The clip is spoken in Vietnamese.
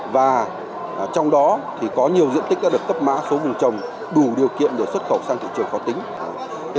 và trong đó thì có nhiều diện tích đã được cấp mã số vùng trồng đủ điều kiện để xuất khẩu sang thị trường khó tính